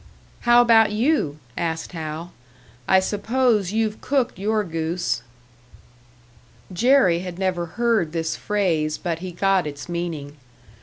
"How about you?" asked Hal. "I suppose you've cooked your goose." Jerry had never heard this phrase, but he got its meaning.